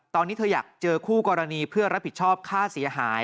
ตอนนี้เธออยากเจอคู่กรณีเพื่อรับผิดชอบค่าเสียหาย